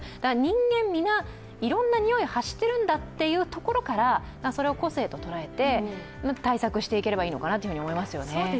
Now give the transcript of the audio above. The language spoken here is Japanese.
人間、皆いろんなにおいを発してるんだというところからそれを個性と捉えて、対策していければいいのかなと思いますよね。